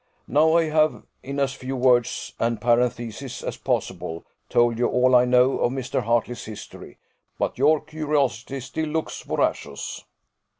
Now I have, in as few words and parentheses as possible, told you all I know of Mr. Hartley's history; but your curiosity still looks voracious."